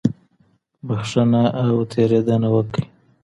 بښنه او تېرېدنه وکړئ.